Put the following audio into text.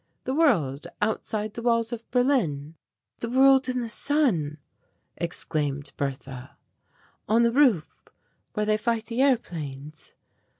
"The world outside the walls of Berlin." "The world in the sun," exclaimed Bertha, "on the roof where they fight the airplanes?